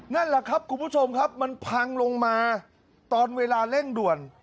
นั่นแหละครับคุณผู้ชมครับมันพังลงมาตอนเวลาเร่งด่วน